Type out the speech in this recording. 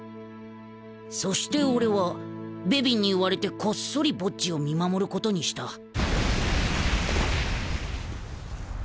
［そして俺はベビンに言われてこっそりボッジを見守ることにした］